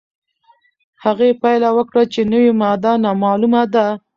هغې پایله وکړه چې نوې ماده نامعلومه ده.